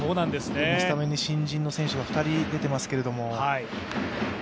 スタメンに新人の選手が２人出ていますけれども。